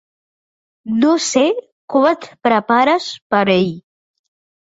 No sé com et prepares per ell.